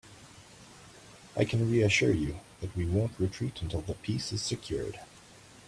I can reassure you, that we won't retreat until the peace is secured.